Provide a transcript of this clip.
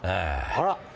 あら？